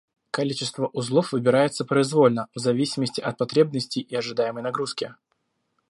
Количество узлов выбирается произвольно, в зависимости от потребностей и ожидаемой нагрузки